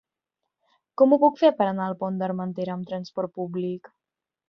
Com ho puc fer per anar al Pont d'Armentera amb trasport públic?